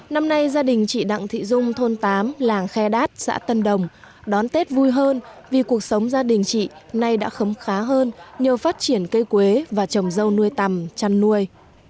năm nay gia đình chị đặng thị dung thôn tám làng khe đát xã tân đồng đón tết vui hơn vì cuộc sống gia đình chị nay đã khấm khá hơn nhờ phát triển cây quế và trồng dâu nuôi tầm chăn nuôi